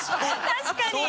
確かに。